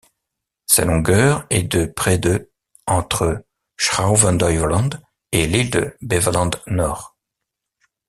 Sa longueur est de près de entre Schouwen-Duiveland et l'île de Beveland-Nord.